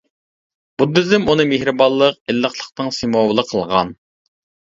بۇددىزم ئۇنى مېھرىبانلىق، ئىللىقلىقنىڭ سىمۋولى قىلغان.